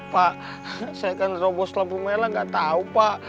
pak saya kan robo lampu merah